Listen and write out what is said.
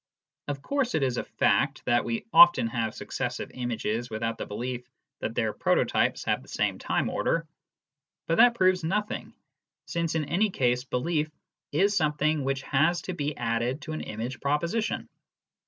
Of course it is a fact that we often have successive images without the belief that their prototypes have the same time order. But that proves nothing, since in any case belief is something which has to be added to an image proposition.